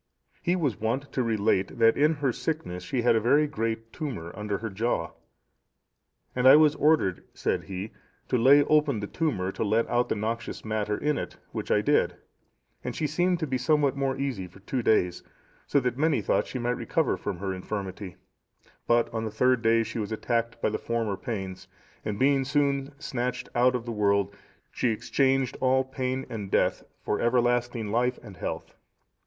He was wont to relate that in her sickness she had a very great tumour under her jaw. "And I was ordered," said he, "to lay open that tumour to let out the noxious matter in it, which I did, and she seemed to be somewhat more easy for two days, so that many thought she might recover from her infirmity; but on the third day she was attacked by the former pains, and being soon snatched out of the world, she exchanged all pain and death for everlasting life and health.